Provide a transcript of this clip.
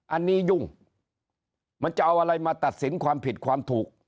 อันนี้ยุ่งมันจะเอาอะไรมาตัดสินความผิดความถูก